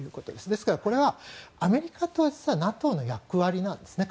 ですから、これは実はアメリカとＮＡＴＯの役割なんですね。